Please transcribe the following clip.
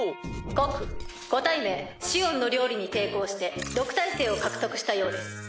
告個体名シオンの料理に抵抗して「毒耐性」を獲得したようです。